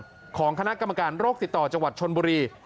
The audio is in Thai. ตามคำสั่งของคณะกรรมการโรคติดต่อจังหวัดชนบุรี